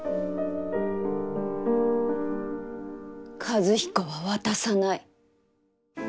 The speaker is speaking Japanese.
和彦は渡さない。